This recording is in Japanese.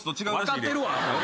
分かってるわ。